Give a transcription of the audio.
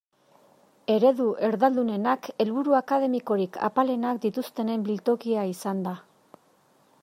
Eredu erdaldunenak helburu akademikorik apalenak dituztenen biltokia izan da.